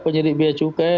penyidik biaya cukai